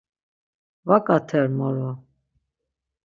Vaǩater moro.